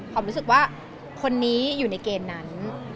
รู้สึกว่าคนนี้อยู่ในเกณฑ์นั้น